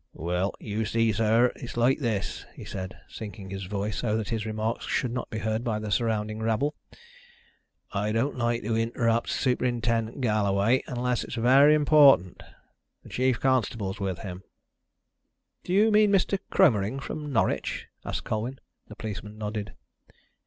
"Well, you see, sir, it's like this," he said, sinking his voice so that his remarks should not be heard by the surrounding rabble. "I don't like to interrupt Superintendent Galloway unless it's very important. The chief constable is with him." "Do you mean Mr. Cromering, from Norwich?" asked Colwyn. The policeman nodded.